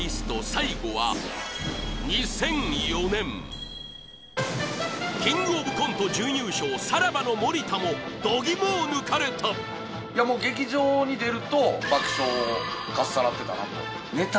最後は２００４年キングオブコント準優勝さらばの森田もド肝を抜かれた劇場に出ると爆笑をかっさらってたなと